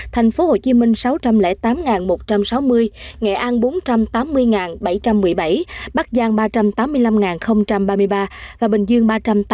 thành phố hồ chí minh sáu trăm linh tám một trăm sáu mươi nghệ an bốn trăm tám mươi bảy trăm một mươi bảy bắc giang ba trăm tám mươi năm ba mươi ba và bình dương ba trăm tám mươi ba ba trăm linh chín